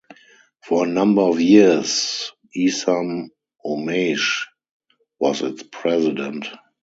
For a number of years, Esam Omeish was its President.